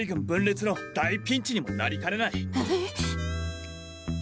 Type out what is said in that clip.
分れつの大ピンチにもなりかねない。